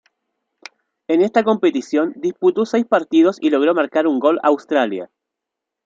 En esta competición disputó seis partidos y logró marcar un gol a Australia.